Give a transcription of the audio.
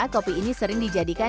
kopi ini sering terkenal di daerah lain